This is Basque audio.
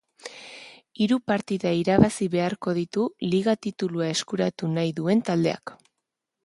Hiru partida irabazi beharko ditu liga titulua eskuratu nahi duen taldeak.